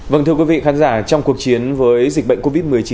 vâng thưa quý vị khán giả trong cuộc chiến với dịch bệnh covid một mươi chín